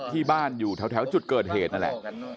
ที่บ้านอยู่แถวจุดเกิดเหตุนั่นแหละ